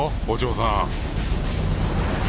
お嬢さん！